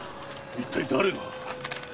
一体誰が。